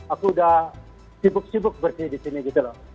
aku sudah sibuk sibuk berada di sini gitu loh